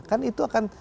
kan itu akan